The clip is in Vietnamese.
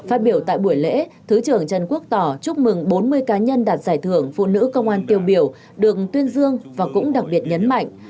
phát biểu tại buổi lễ thứ trưởng trần quốc tỏ chúc mừng bốn mươi cá nhân đạt giải thưởng phụ nữ công an tiêu biểu được tuyên dương và cũng đặc biệt nhấn mạnh